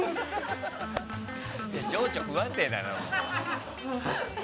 情緒不安定だな。